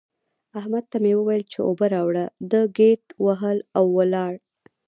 احمد ته مې وويل چې اوبه راوړه؛ ده ګيت وهل او ولاړ.